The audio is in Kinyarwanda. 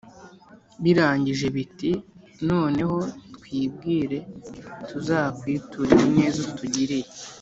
Birangije, biti: "Noneho twibwire, tuzakwiture iyi neza utugiriye.